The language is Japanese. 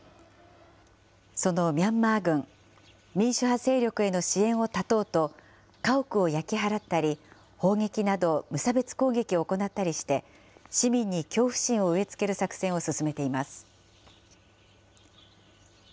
そのミャンマー軍、民主派勢力への支援を断とうと、家屋を焼き払ったり、砲撃など無差別攻撃を行ったりして、市民に恐怖心を植え付ける作戦を進めています。